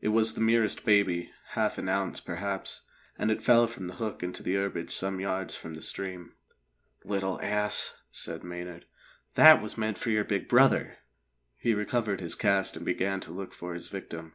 It was the merest baby half an ounce, perhaps and it fell from the hook into the herbage some yards from the stream. "Little ass!" said Maynard. "That was meant for your big brother." He recovered his cast and began to look for his victim.